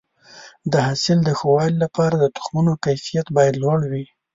د حاصل د ښه والي لپاره د تخمونو کیفیت باید لوړ وي.